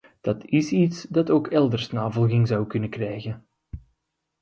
Dat is iets dat ook elders navolging zou kunnen krijgen.